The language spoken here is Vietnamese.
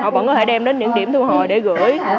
họ vẫn có thể đem đến những điểm thu hồi để gửi